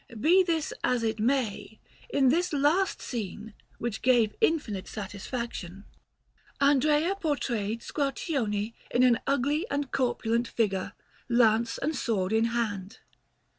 Be this as it may, in this last scene, which gave infinite satisfaction, Andrea portrayed Squarcione in an ugly and corpulent figure, lance and sword in hand.